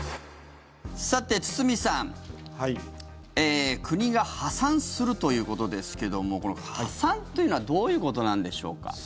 さて、堤さん国が破産するということですけどこの破産というのはどういうことなんでしょうか。